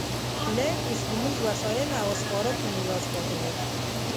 لکه اوسپنیز وسایل او سپاره په میراث پاتې و